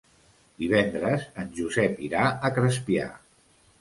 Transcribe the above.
Divendres en Josep irà a Crespià.